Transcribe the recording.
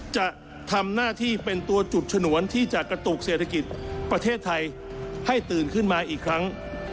จะทำหน้าที่เป็นตัวจุดฉนวนที่จะกระตุกเศรษฐกิจประเทศไทยให้ตื่นขึ้นมาอีกครั้ง